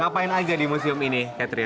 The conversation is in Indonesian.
ngapain aja di museum ini catheria